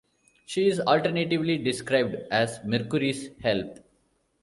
She is alternatively described as Mercury's helpe.